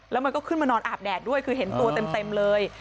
แล้วมันก็ขึ้นมานอนอาบแดดด้วยคือเห็นตัวเต็มเลย